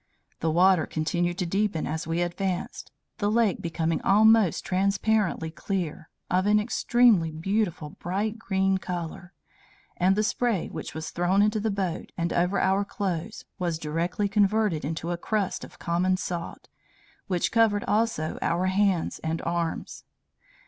The water continued to deepen as we advanced; the lake becoming almost transparently clear, of an extremely beautiful bright green color; and the spray which was thrown into the boat and over our clothes, was directly converted into a crust of common salt, which covered also our hands and arms.